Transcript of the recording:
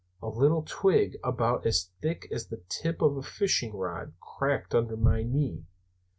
A little twig, about as thick as the tip of a fishing rod, cracked under my knee.